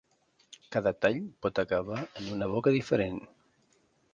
Cada tall pot acabar en una boca diferent.